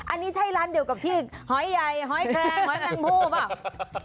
อันนี้ใช่ร้านเดียวกับที่หอยใหญ่หอยแครงหอยแมงผู้เปล่า